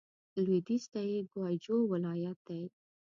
لوېدیځ ته یې ګوای جو ولايت دی.